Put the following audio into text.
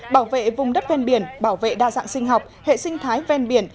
bảo vệ vùng đất ven biển bảo vệ đa dạng sinh học hệ sinh thái ven biển